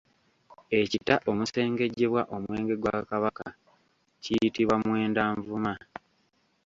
Ekita omusengejjebwa omwenge gwa Kabaka kiyitibwa Mwendanvuma.